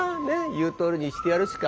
言うとおりにしてやるしか。